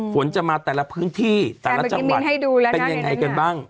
ฝนจะมาแต่ละพื้นที่แต่ละจังหวัดเป็นยังไงกันบ้าง